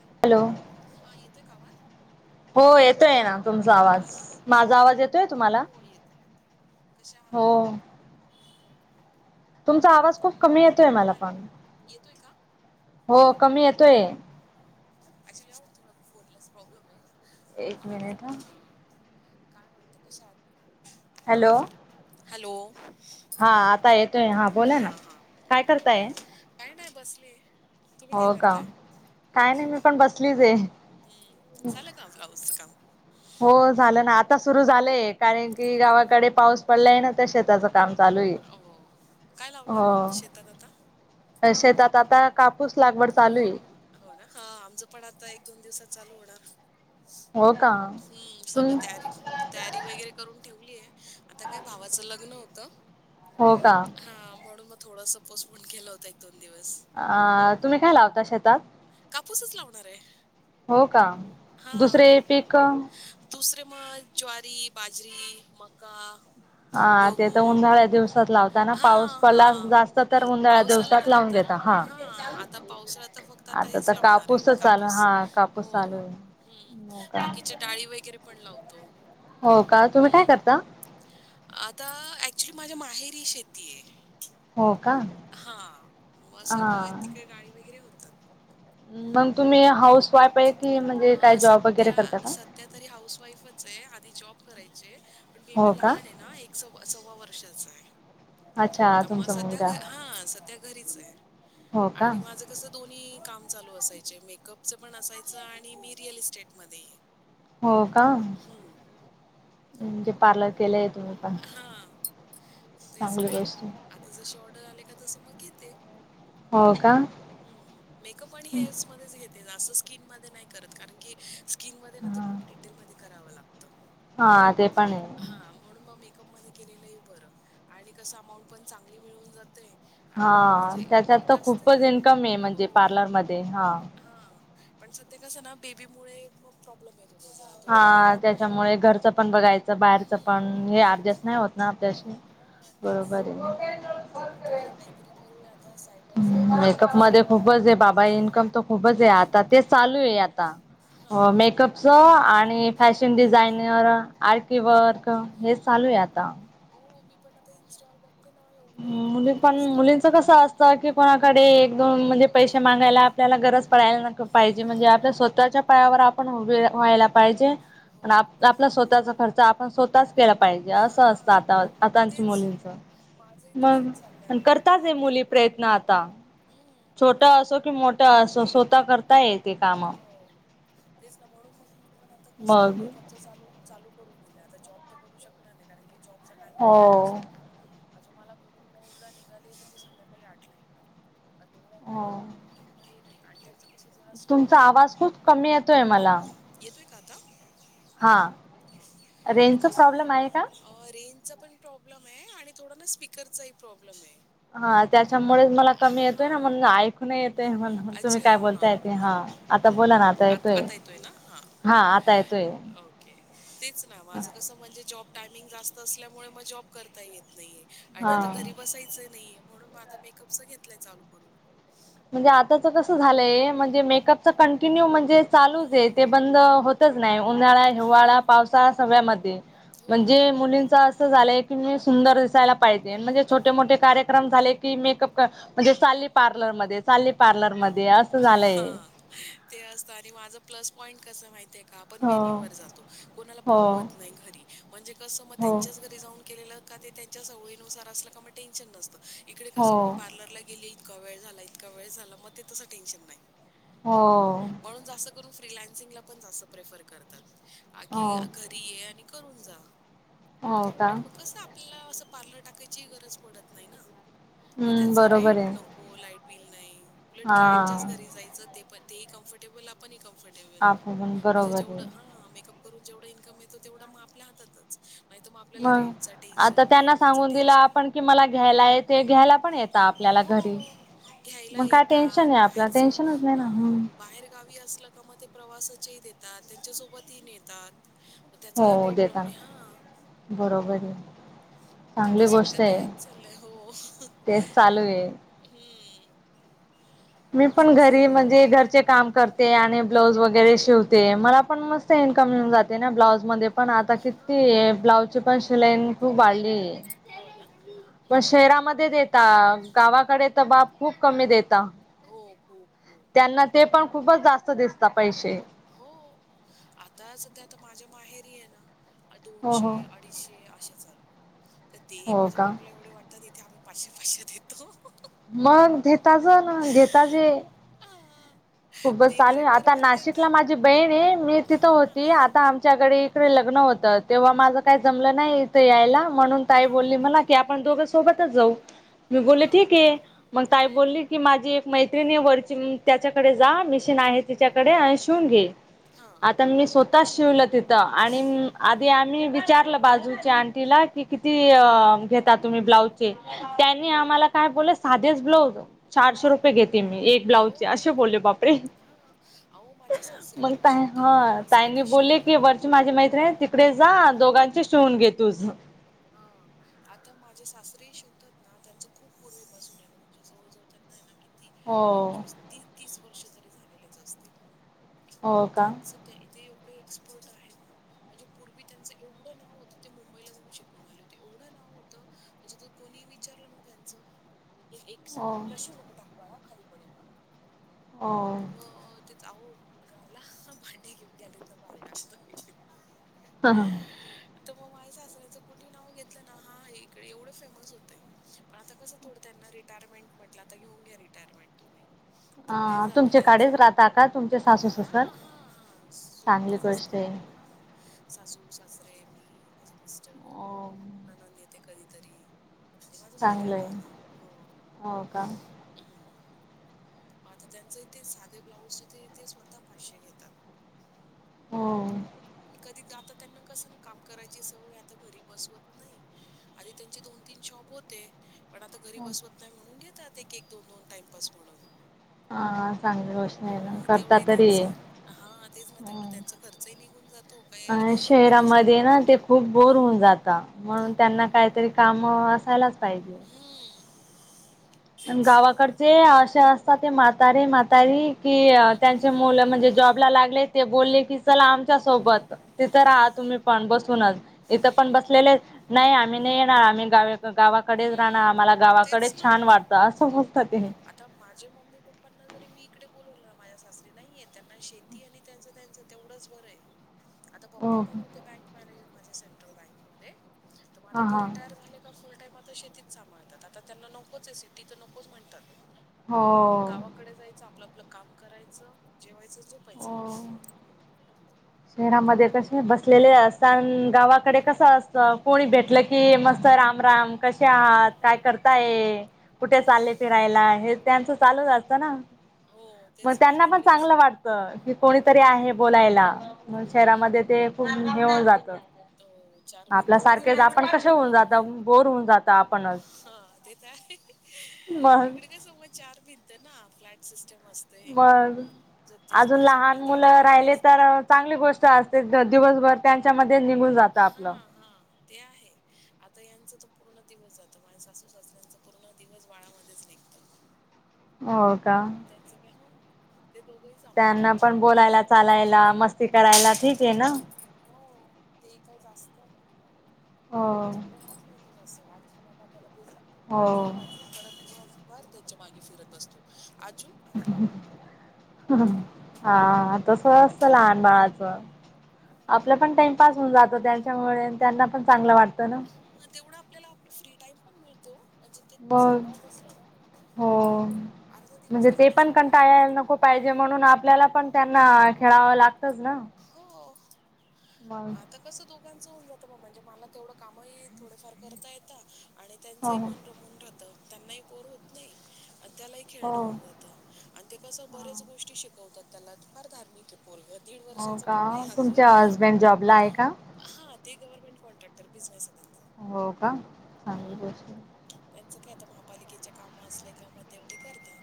Hello, हा येतोय का आवाज? हो येतोय ना तुमचा हम्म, आवाज, कश हा माझा आवाज येतोय तुम्हाला? हो येतोय येतोय कशा आहात हो. तुमचा आवाज खूप कमी येतोय मला. पण हॅलो येतोय का हो कमी येतोय. ॲक्च्युली थोडा फोन लाच प्रॉब्लेम हाय. एक मिनिट ह काय म्हणता, कश्या आहात? हॅलो! हॅलो! हां आता येतोय, हां बोला ना हा हा काय बोला करताय? काही नाही बसले तुम्ही काय हो का करताय? काय नाही मी पण बसलीच आहे. हम्म! झालं का ब्लाउजच काम? हो झालं ना आता सुरु झालंय कारण की गावाकडे पाऊस पडलाय ना त्या शेताचं काम चालू आहे हो. काय लावलाय मग शेतात आता? त आता कापूस लागवड चालू आहे. हो ना हा आमचं पण आता एक, दोन दिवसात चालू होणार हो का हम्म! तुम सगळं तयारी, तयारी वगैरे करून ठेवलीय आता काय भावाचं लग्न होतं. हो का? थोडास पोसपन केला होता एक, दोन दिवस. अ.. तुम्ही काय लावता शेतात? कापूसच लावणार आहे. हो का? दुसरे पीक म ज्वारी, बाजरी, मका हा ते गहू. तर उन्हाळ्या दिवसात लावताना पाऊस हां, पडला जास्त तर उन्हाळ्या दिवसात लावून घेत हा आता पावसाळा तर फक्त आता तर हेच लावणार आहे कापूसच चालू कापूस हा कापूस हो, चालू हम्म आहे. हो का बाकिचे डाळी वगैरे पण लावतो. हो का? तुम्ही काय हम्म. करता? एक्च्युली माझ्या माहेरी शेती आहे. हो का हा. मग हा सगळं तिकडे डाळी वगैरे होती मग तुम्ही हाऊस वाईफ आहे की म्हणजे अ काय जॉब वगैरे सध्या, करता का सध्या तरी हाऊस वाईफच आहे. आधी जॉब करायचे. पण हो बेबी का लहान आहे ना एक सव सव्वा वर्षाचा आहे. अच्छा तुमचं मुलगा त्या घरीच आहे हो का आणि माझं कस दोन्ही काम चालू असायचे मेकअप च पण असायचं आणि मी रिअल इस्टेटमध्येध्ये आहे हो हं. काजे पार्लर गले हा तेच चांगली ना म्हट गोष्ट आहे. आता जशी ऑर्डर आले का तस मग अगते हो का मेकअप आणि हेअर्स मध्येच घेतें स्किन मध्ये नाही करत कारण की किंग मध्ये ना ते हा खू डिटेलमध्ये करावं लागतं हा अे पण के बर आणि कस अंट पण चांग मिळून जाते हा आणि म्हणजे त्याच्यात तर जास्त खूपच हे नाही. इन्कम म्हणजे हो. पार्लर मध्ये हा बी मु मग प्रॉब्लेम येते हा त्याच्यामुळे घरचं पण बघायचं बाहेरचं पण हं. हे अर्ध्यास नाही होत ना श हां, तेच. बरोबर म्हणून म्हटलं आहे आता काहीतरी करूया आता साईड बाय साईड मेकअप मेकअपचं मध्ये चालू खूपच आहे बाबा इन्कम तर खूपच आहे आता ते चालू आहेता हां, हां. मेकअप आणि फॅशन डिझाइनर आर्की वर्क हे हं. चालू आहे आता हो मी पण आता इनस्टॉल ब मुली पण मुलींच कस असतं की कोणाकडे एक म्हणजे पैसे मागायला आपल्याला गरज पडायला न पाहिजे म्हणजे आपल्या हां, स्वतःच्या पायावर आपण व्हायला पाहिजे पण हो. आपला स्वतःचा खर्च आपण स्वतःच केला पाहिजे असं असतं हा आता आताच्या तेच मुलींच माझंही मग तसच चाललंय म्हणून मग करताच आहे वाटलं मुली प्रयत्न आता हम्म छोटा असो कि मोठा असो स्वतः करता य ते काम हो तेच ना म्हणून मग मी पण आता कस मग मेकअपच चालू चालू करून दिलं आता जॉब करू शकला नाही कारण की जॉब चा टायमिंग हो खूप जास्त होत म्हणजे मला घरून नऊ ला निघाली तर मी संध्याकाळी आठला येणार आणि एवढा वेळ लांब राहून हे ह नाही आणि त्यांचं कसं जरा स्ट्रिक्ट आहे आवाज खूप कमी येतोय मला त काात हा रेंजचा प्रॉब्लेम आहे का? रेंज पण प्रॉब्लेम थोडा ना स्पीकरचाही प्रॉब्लेम आहे हा त्याच्यामुळेच मला कमी येतोय ना हा म्हण ऐकून येतय म्हण तुम्ही अच्छा काय हा बोलताय ते हा आता बोला हं. ना आता आत येतोय ना? हां. हा आता येतोय ओके तेच ना माझं कस म्हणजे जॉब टायमिंग जास्त असल्यामुळे मग जॉब करता येत नाहीे आणि हा आता घरी बसायचं नाहीे म्हणून मग आता मेकअपच घेतलाय चालू करून म्हणजे आताच कसं झालंय म्हणजे मेकअप कंटिन्यू म्ह जे चालूच हं, आहे ते हं. बंद होतच नाही उन्हाळा हिवाळा हां. पावसा सगळ्यामध्ये हो. म्हणजे मुलींच असं झालंय कि मी सुंदर दिसायला पाहिजे म्हणजे छोटे मोठे कार्यक्रम झाले की मेकअप म्हणजे साली पार्लरमध्येध्ये चाली प्लर मध्ये हा ते असत आणि माझं प्लस पॉइंट कस माहित आहे ण हो वेन्यू जातो कोला हो बत नाही घरी म्हणजे कस म हो त्यांच्या घरी जाऊन के का ते त्यांच्या सवयनुसार असल का मग टेन्शन नसतं इकडे कास हो मग पार्लरला गेले इतका वेळ झाला इतका वेळ झाला मग ते तसा टेन्शन नाही हो फ्रीलासिंगला पण जास्त प्रेफर करतात हो घरी ये आणि करून जा. हो का आणि मग कसं आपल्याला असं पार्लर टाकायची गरज पडत नाही ना. हम्म त्याच बरोबर रेंट आहे नको लाईट बिल नाही उलट हा क्लायंटच्याच घरी जायचं. ते तेही कम्फर्टेबल आपण कम्फर्टेबल आपण पण म्हणजे बरोबर आहे जेवढं ह मेकअप करून जेवढा इन्कम येतो तेवढा आपल्या हातातच. नाही तर मग आपल्याला म रेंटचं आता टेन्शन, त्यांना लाईट बिलचं सांगून दिलं टेन्शन आपण कि मला घ्यायला ते घ्यायला पण येत आपल्या घरी हो. काय टेशन आहे? आपला टेन्शनच नाही ना हा हम्म बाहेर गावी अस प्रवासा देतात त्यांच्या सोबतही नेतात. मग त्याचा हो काही प्रॉब्लेम नाही हां. देताना बरोबर आहे तर आता चांगली सध्या गोष्ट तर आहे हेच चाललंय हो, तेच चालू आहे हम्म मी पण घरी चाललंय? म्हणजे घरचे काम कर आणि ब्लाऊज वगैरे शिवते मला पण मस्त इनकम मिळून जाते ना ब्लाऊज मध्ये पण आता हां. किती ब्लाउजची पण सिलाईन खूप वाढलीय. हो ना? पण हं. शहरामध्ये देता गावाकडे तर बाप खूप कमी देता. हो. खूप, खूप. [unintelligible] त्यांना ते पण खूपच जास्त दिसता पैसे. हो आता सध्या आता माझ्या माहेरी आहे ना, हो दोनशे हो. अडीचशे असशे चालू तर तेही हो माझ्या का मम्मीला एवढे वाटतात. ते आम्ही पाचशे पाचशे देतो मग घेताज ना घेताजे हां. खूपच चालू देणारे आहे आता बरोबर देतात. नाशिकला माझी बहीण आहे मी तिथं हां, हां, होती हां. आता आमच्याकडे लग्न होत तेव्हा माझ काय जमलं नाहीथ यायला म्हणून ताई हां, बोली मला आपण दोघ सोबतच जाऊ मी बोलले हां. ठीक आहे मग ताई हं. बोलली की माझी मैत्रिणी वरची त्याच्याकडे जा मिशन आहे तिच्याकडे आणि शिवून घे. हां. आता मी स्वतः शिवल तिथं आणि आधी आम्ही विचारलं बाजूच्या आण तिला किती घेता तुम्ही ब्लाउज चे त्यांनी हं, हं. आम्हाला काय बोल साधेच ब्लाउज चारशे रुपये घेते मी एक ब्लाउज चे असे बोलले बापरे! हो म मग ता हा ताईनी बोलले की शिवतात. वरची माझी मैत्रिणी तिकडे जा दोघांची शिवून घेत तुझ हा.. आता माझे सासरे शिवतात ना त्यांच खूप पूर्वीपासून आहे म्हणजे जवळ जवळ त्यांना आहे ना क हो पंचवीस त तीस वर्ष तरी झालेलेच अस मग हो का त्यांच ते एवढे एक्सपर्ट आहेत ना म्हणजे पूर्वी त्यांचं एवढं नाव होतं ते मुंबईला जाऊ शिक कणाली होती एवढं नाव होतं म्हणजे त कोणी विचारलं ना त्यांचं एक हो प्रशव नकुटाकूवाळाा खाली पडे ना हो तर मग अहो मुलगा आला भांडे घेऊन [unintelligible] हा हा तर मग माझ्या सासऱ्याच. कोणी नाव घेतलं ना हा इकडं एवढं फेमस होतय पण आता कसं थोडं त्यांना रिटायरमेंट म्हट आता घेऊन घ्या रिटायरमेंट तुम्ही. तर वय ह झालं तुमच्याकडेच त्यांचं राहता का तुमच्या सासू सा हा हा हा सोबतच असतात आहे ह सासू सासरे मी माझ सिस्टर ननंद येते कधीतरी? आणि माझा चांगलं मुलीगला आहे ना हो का हम् वा त्यांचे इथे साधे ब्लाऊज तिथे तेे स्वतः पाचशे घेतात. हो.. [inaudible] जात त्यांना कस ना काम करायची सवय आता घरी बसवत नाही आधी त्यांची दोन तीन शॉप होते पण आता घरी बसवत नाही म्हणून घेतात एक एक दोन दोन टाइमपास म्हणून. हा चांगली गोष्ट आहे ना हा करता तेवढंही तरी त्यांचं हा तेच ना तेवढं त्यांचा खर्चही नि घुन जातो. अ शहरामध्ये ना ते खूप बोर होऊन जात म्हणून त्यांना हो काहीतरी काम मसायलाच पाहिजे. हम्म तेच ना गावाकडचे असे असतात ते म्हातारी म्हातारी कि हम्म त्यांचे मुलं म्हणजे जॉब लागले ते बोलले की चला आमच्या सोबत तिथं हा राहा तुम्ही पण बसूनच इथं पण हम्म बसलेले नाही आम्ही नाही येणार आम्ही गाव गावाकडेच राहं हम्म आम्हाला तेच गावाकडेच ना छान वाटत. आता माझ्या मम्मी पप्पांना जरी मी इकडे बोल माझ्या सासरी नाहीये त्यांना शेती आणि त्यांच त्यांच तेवढंच बरं आहे. आता हो पप्पा पण होते बँक मॅनेजर माझ्या सेंट्रल बँक मध्ये तर मग आता हा ते हा रिटायर झाले का फुल मात शेतीत सांभाळतात आता त्यांना नकोच आहे सिडी तर नकोच म्हणतात. हो. गावाकडे जायचं आपलं आपलं काम करायचं जेवायचं झोपायचं शरामध्ये कसे बसलेले असता गावाकडे कसं असत कोणी भेटलं की मस्त राम राम कसे आहात काय हा करता ये कुठे हो चालले फिरायला हे त्यांचं चालू असतं ना. हो मग तेच ना त्यांना आणि पण इकडे कस चांगलं वाटत की हा कोणीतरी आहे बोलायला हम्म शहरामध्ये ते खूप ऊन जात तो चार आपल्या भिंतीतच सारखे राहायचं आपण त्यांना कसे होऊन आवडत जात नाही बोर होऊन जात. आपणच हा ते तरय मग इकडे का सो चार भिंत ना [unintelligible] मग जो ज्याचे अजून त्याचे लहान आपले दार मुलं लावलेले राहिले असतात तर चांगली गोष्ट असते ग. दिवसभर त्यांच्या म निघून जात हा आपलं. हा ते आहे. आता यांचं तर पूर्ण दिवस जात माझ्या सासू सासल्यांचा पूर्ण दिवस बाळामध्येच निघत. हो का बण मग त्यांचं काय हा. ते दोघंही सांभाळता त्यांना पण माझ्याकडे बोलायला जास्त हा हा चालायला हा मस्ती करायला ठीक आहे ना. हो ते काही जास्त हो माझ्याकडे राहत नाहीत जसं आजी बाबा त्याला हो आजू आजू परत दिवसभर त्यांच्या मागे फिरत बसतो. आजू आणि बाबा हम्म हा तस असत लहान बाळाचं. हा. आपलं पण टाइमपास होऊन जातो त्यांच्यामुळे त्यांना पण चांगलं वाटतं. ना हा तेवढा आपल्याला आपला फ्री टाइम पण मिळतो म्हणजे ते मग सांभाळत असले ना हो. अर्धा दिवस म्हणजे ते त्यांनी पण सांभाळलं कंटायला जरी तरी नको मग पाहिजे म्हणून आपल्याला पण त्यांना खेळावं लागत तस ना हो. ह. लोक होऊन जात म्हणजे मला तेवढं कामही थोडेफार करता येतात आणि हो त्यांचंही मन रमून राह त त्यांनाही बोर होत नाही त्यालाही खेळणं हो होऊन जात. आणि ते कसं बर्याच गोष्टी शिकवतात त्याला फार धार्मिक आहे पोरगत हो का तुमच्या हसबंड जॉबला आहे का. हा ते गवर्नमेंट कॉन्ट्रॅक्टर बिझनेस आहे त्यांचा. हो का चांगली हम्म. गोष्ट त्यांचं काय आता महापालिकेच्या काम असल्याय का मग तेवढे करतात.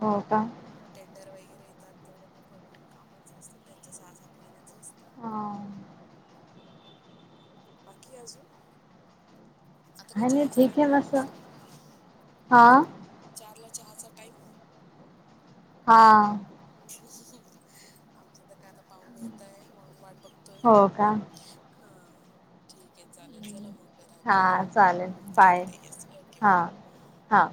हो का हा टेंडर वगैरे येतात तेवढं मग भरून कामात असतं त्यांच सहा सात महिन्याचं असतं. ह. बाकी अजून आता काय नाही चहाचा ठीक आहे टईम झाला मस असेल हा चार ला चहाचा टाइम. हा आमचं तर काय आता पाहुलं येताय. म्हणून वाट बघतोय. हो का हा ठीक आहे चालेल. चला मग. करा हा आता आराम चालेल हम्म, बाय. करते येस ओके हा बाय हा.